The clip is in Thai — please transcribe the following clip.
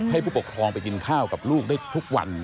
ให้ผู้ปกครองไปกินข้าวกับลูกได้ทุกวัน